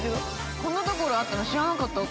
◆こんなところあったの知らなかった、私。